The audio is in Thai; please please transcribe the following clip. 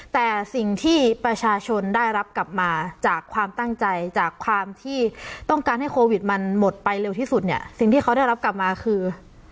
แต่สิ่งที่ประชาชนได้รับกลับมาจากความตั้งใจจากความที่ต้องการให้โควิดมันหมดไปเร็วที่สุดเนี่ยสิ่งที่เขาได้รับกลับมาคือ